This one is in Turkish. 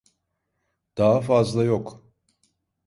Daha fazla yok.